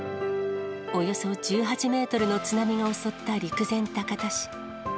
およそ１８メートルの津波が襲った陸前高田市。